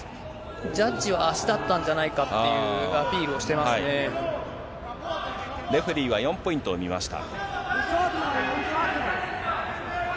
ジャッジは足だったんじゃなレフェリーは４ポイントを見ました。